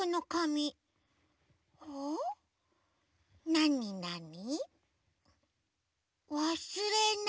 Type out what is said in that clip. なになに？